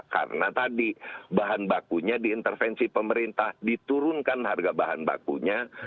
karena tadi bahan bakunya diintervensi pemerintah diturunkan harga bahan bakunya